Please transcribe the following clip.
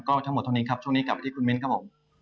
ก็ทั้งหมดเท่านี้ครับช่วงนี้กลับไปที่คุณมิ้นครับผม